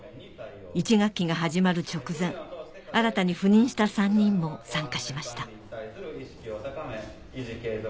１学期が始まる直前新たに赴任した３人も参加しました